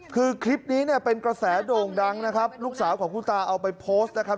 คือคลิปนี้เนี่ยเป็นกระแสโด่งดังนะครับลูกสาวของคุณตาเอาไปโพสต์นะครับ